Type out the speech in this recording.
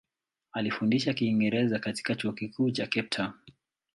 Alifundisha Kiingereza katika Chuo Kikuu cha Cape Town.